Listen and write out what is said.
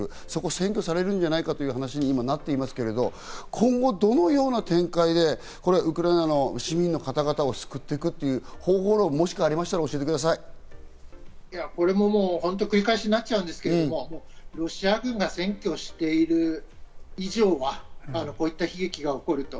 占拠されるんじゃないかという話になっていますけど、今後どのような展開でウクライナの市民の方々を救っていくという方法がありましたら教繰り返しになっちゃうんですけど、ロシア軍が占拠している以上はこういった悲劇が起こると。